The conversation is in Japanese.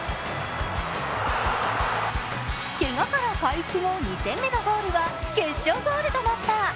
けがから回復後、２戦目のゴールは決勝ゴールとなった。